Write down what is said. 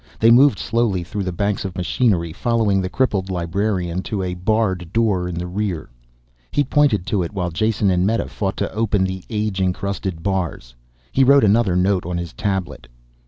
They moved slowly through the banks of machinery, following the crippled librarian to a barred door in the rear. He pointed to it. While Jason and Meta fought to open the age incrusted bars, he wrote another note on his tablet.